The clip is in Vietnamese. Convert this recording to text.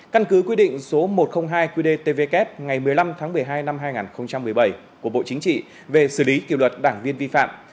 căn cứ quy định số một trăm linh hai qdtvk ngày một mươi năm tháng một mươi hai năm hai nghìn một mươi bảy của bộ chính trị về xử lý kỷ luật đảng viên vi phạm